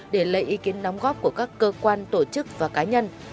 để lấy ý kiến đóng góp của các cơ quan tổ chức và cá nhân